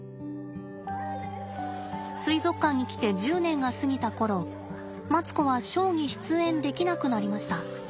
水族館に来て１０年が過ぎた頃マツコはショーに出演できなくなりました。